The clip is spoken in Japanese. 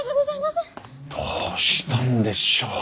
どうしたんでしょう。